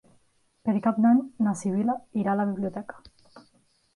Per Cap d'Any na Sibil·la irà a la biblioteca.